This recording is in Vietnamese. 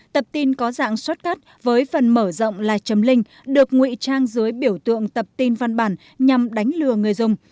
tập tin có dạng shotcat với phần mở rộng là chấm linh được ngụy trang dưới biểu tượng tập tin văn bản nhằm đánh lừa người dùng